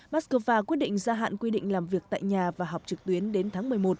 mắc cơ va quyết định gia hạn quy định làm việc tại nhà và học trực tuyến đến tháng một mươi một